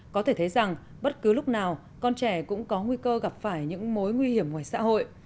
có thể thấy rằng bất cứ lúc nào con trẻ cũng có nguy cơ gặp phải những mối nguy hiểm ngoài xã hội